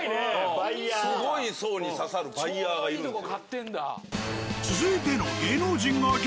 すごい層に刺さるバイヤーがいるんですよ。